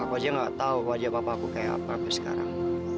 aku aja gak tau wajah papa aku kayak apa sampai sekarang